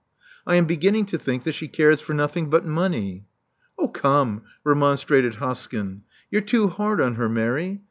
I am beginning to think that she cares for nothing but money." 0h, come!*' remonstrated Hoskyn. You're too hard on her, Mary.